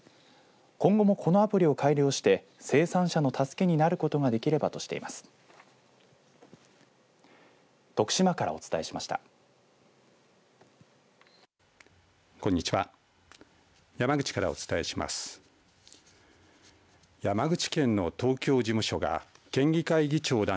今後も、このアプリを改良して生産者の助けになることができればとしています。